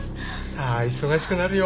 さあ忙しくなるよ。